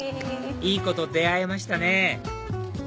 いい子と出会えましたね